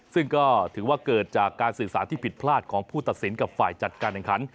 ซึ่งก็ถือว่าเกิดจากการสื่อสารที่ผิดพลาดของผู้ตัดสินกับฝ่ายจัดการแข่งขัน